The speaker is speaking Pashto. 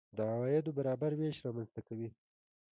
د عوایدو برابر وېش رامنځته کوي.